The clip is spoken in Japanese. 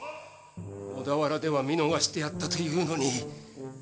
小田原では見逃してやったというのに。